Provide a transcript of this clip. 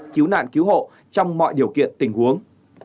cứu nạn cứu hộ trong mọi điều kiện tình huống